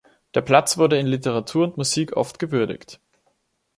Der Platz wurde in Literatur und Musik oft gewürdigt.